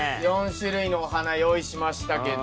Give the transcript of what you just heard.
４種類のお花用意しましたけど。